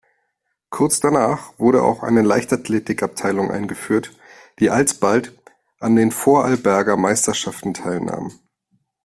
Kurz danach wurde auch eine Leichtathletikabteilung eingeführt, die alsbald an den Vorarlberger Meisterschaften teilnahm.